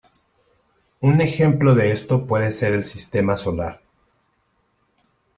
Un ejemplo de esto puede ser el Sistema Solar.